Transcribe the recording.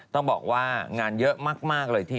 ต้องบอกว่างานเยอะมากเลยที